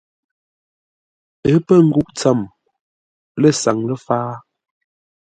Ə́ pə́ nguʼ tsəm lə̂ saŋ ləfǎa.